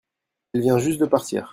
elle vient juste de partir.